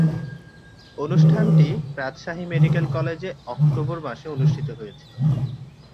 অনুষ্ঠানটি রাজশাহী মেডিকেল কলেজে অক্টোবর মাসে অনুষ্ঠিত হয়েছিলো।